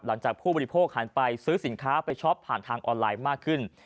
หลังจากผู้บริโภคหันไปซื้อสินค้าไปช็อปผ่านทางออนไลน์มากขึ้น